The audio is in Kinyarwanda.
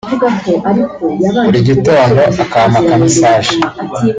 buri gitondo akampa aka message